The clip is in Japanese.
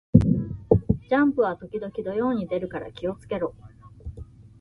ジャンプは時々土曜に出るから気を付けろ